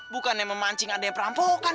bukannya memancing adanya perampokan